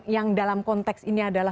yang dalam konteks ini adalah